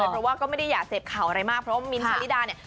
เพราะว่าก็ไม่ได้อยากเสพข่าวอะไรมากเพราะว่ามิ้นทะลิดาเนี่ย